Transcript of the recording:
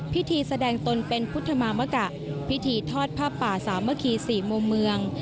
พิธีแสดงตนเป็นพุทธมามกะพิธีทอดผ้าป่าสามัคคี๔มุมเมือง